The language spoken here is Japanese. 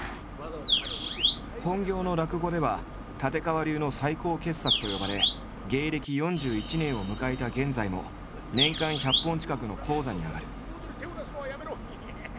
本業の落語では立川流の最高傑作と呼ばれ芸歴４１年を迎えた現在も年間１００本近くの高座に上がる。